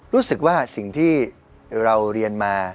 รู้สึกว่าสิ่งที่เราเรียนมา